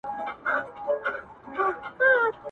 حسن كه گل نه وي خو ښكـلا پـكـــي مـــوجــــوده وي~